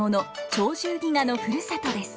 「鳥獣戯画」のふるさとです。